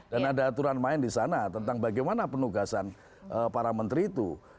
dan ada aturan main di sana tentang bagaimana penugasan para menteri itu